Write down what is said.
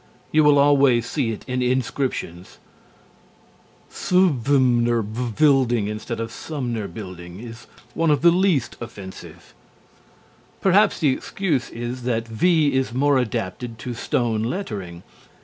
You will always see it in inscriptions. "SVMNER BVILDING" is one of the least offensive. Perhaps the excuse is that "V" is more adapted to stone lettering.